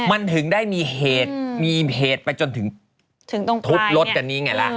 มันถึงได้มีเหตุไปจนถึงทุบรถแบบนี้ไงล่ะ